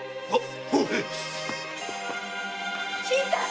新さん！